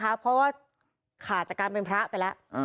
เพราะว่าขาดจากการเป็นพระไปแล้ว